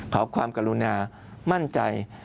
ขอความกรุณามั่นใจ